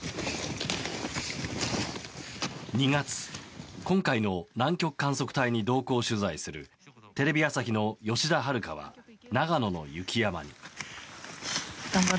２月、今回の南極観測隊に同行取材するテレビ朝日の吉田遥は長野の雪山に。